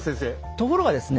ところがですね